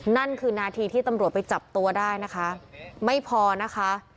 นั่นคือนาทีที่ตำรวจไปจับตัวได้นะคะไม่พอนะคะ